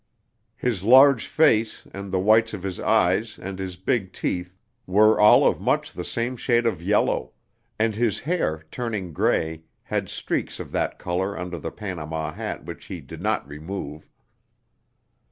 His large face, and the whites of his eyes, and his big teeth, were all of much the same shade of yellow; and his hair, turning gray, had streaks of that color under the Panama hat which he did not remove.